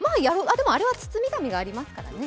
でも、あれは包み紙がありますからね。